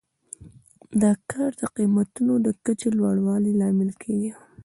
دا کار د قیمتونو د کچې د لوړوالي لامل کیږي.